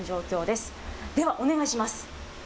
では、お願いします。